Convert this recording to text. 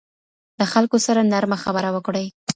له خلکو سره نرمه خبره وکړئ.